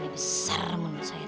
bisa menurut saya